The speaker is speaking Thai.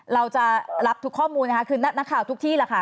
เราจะรับทุกข้อมูลนะคะคือนักข่าวทุกที่แหละค่ะ